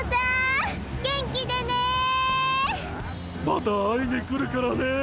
また会いに来るからね！